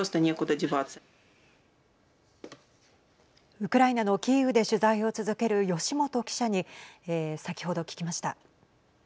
ウクライナのキーウで取材を続ける吉元記者に先ほど聞きました。